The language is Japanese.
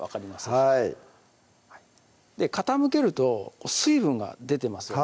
はい傾けると水分が出てますよね